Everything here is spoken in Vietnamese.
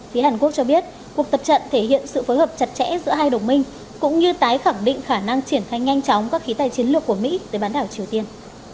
phía hàn quốc cho biết cuộc tập trận thể hiện sự phối hợp chặt chẽ giữa hai đồng minh cũng như tái khẳng định khả năng triển khai nhanh chóng các khí tài chiến lược của mỹ tới bán đảo triều tiên